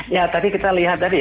ya tadi kita lihat